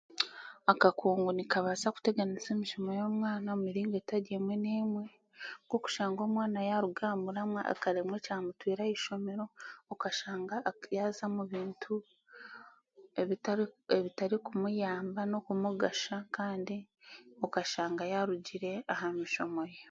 Akakungu nikabaasa kuteganisa emishomo y'omwaana mumiringo etari emwe n'emwe nk'okushanga omwana yaruga ahamuramwa akaremwa ekyamutwire aha ishomero okashanga yaza omu bintu ebitari kumuyamba n'okumugasha kandi okashanga yaarugire aha mishomo ye.